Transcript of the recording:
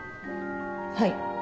はい。